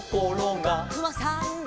「くまさんが」